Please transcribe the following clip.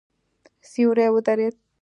سیوری ودرېد.